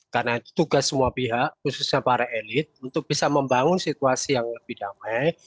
karena tugas semua pihak khususnya para elit untuk bisa membangun situasi yang lebih damai